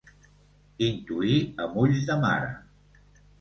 Intuir amb ulls de mare.